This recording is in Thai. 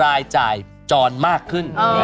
รายจ่ายจรมากขึ้น